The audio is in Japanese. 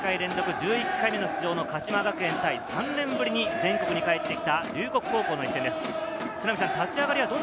１１回目出場の鹿島学園対３年ぶりに全国に戻ってきた龍谷高校の一戦です。